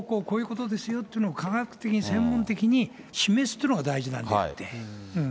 こういうことですよということを科学的、専門的に示すというのが大事なんであって。